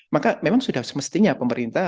maka memang sudah semestinya pemerintah